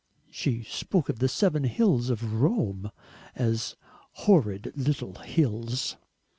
She spoke of the Seven Hills of Rome as "horrid little hills!"